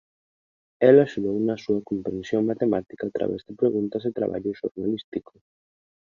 El axudouna á súa comprensión matemática a través de preguntas e traballo xornalístico.